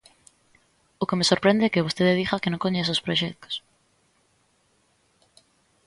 O que me sorprende é que vostede diga que non coñece os proxectos.